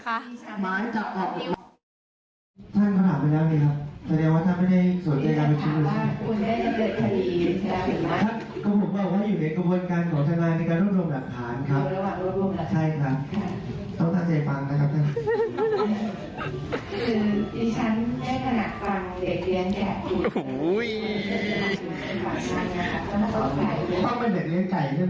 ขอบคุณครับ